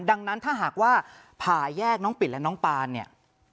ดังนั้นถ้าหากว่าผ่าแยกน้องปิดและน้องปานเนี่ย